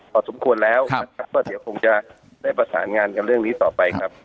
พอสมควรแล้วนะครับก็เดี๋ยวคงจะได้ประสานงานกันเรื่องนี้ต่อไปครับ